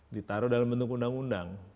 ditaruh dalam bentuk undang undang